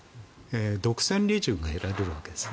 独占利潤が得られるわけですね。